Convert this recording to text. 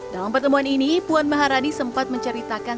dalam pertemuan ini puan maharani sempat menceritakan